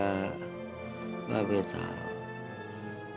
mbak be tahu